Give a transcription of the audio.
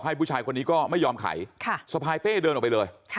ให้ผู้ชายคนนี้ก็ไม่ยอมขายค่ะสะพายเป้เดินออกไปเลยค่ะ